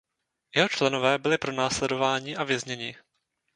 Jeho členové byli pronásledováni a vězněni.